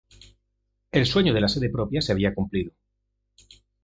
El sueño de la sede propia se había cumplido.